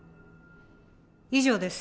以上です。